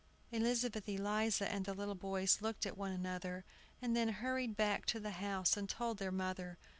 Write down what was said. Elizabeth Eliza and the little boys looked at one another, and then hurried back to the house and told their mother.